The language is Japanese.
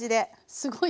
すごい！